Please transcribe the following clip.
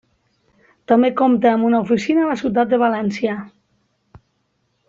També compta amb una Oficina a la ciutat de València.